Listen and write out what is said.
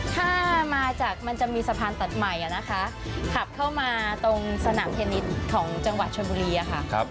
ถ้ามาจากมันจะมีสะพานตัดใหม่นะคะขับเข้ามาตรงสนามเทนนิสของจังหวัดชนบุรีค่ะ